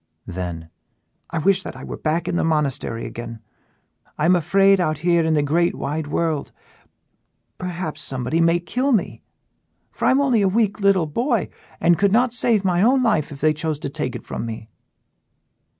Then: "I wish that I were back in the monastery again; I am afraid out here in the great wide world; perhaps somebody may kill me, for I am only a weak little boy and could not save my own life if they chose to take it from me."